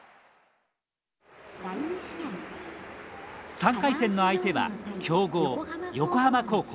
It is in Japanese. ３回戦の相手は強豪横浜高校。